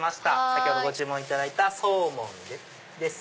先ほどご注文いただいたソーモンです。